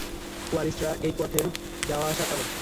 কোয়ালিস্টরা এই পথে যাওয়াআসা করে।